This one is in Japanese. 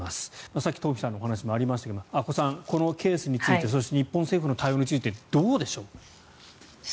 さっき東輝さんのお話もありましたが阿古さん、このケースについてそして日本政府の対応についてどうでしょう。